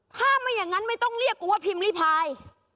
ถ้าไม่อย่างนั้นไม่ต้องเรียกกูว่าพิมพ์ริพาย